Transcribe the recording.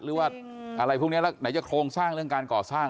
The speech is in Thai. หรือว่าอะไรพวกนี้แล้วไหนจะโครงสร้างเรื่องการก่อสร้าง